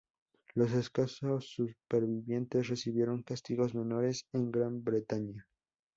Los escasos supervivientes recibieron castigos menores en Gran Bretaña.